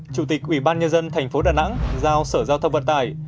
chủ tịch ủy ban nhân dân thành phố đà nẵng giao sở giao thông vận tải